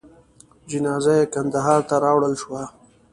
جنازه یې کندهار ته راوړل شوه.